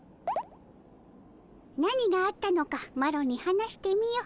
何があったのかマロに話してみよ。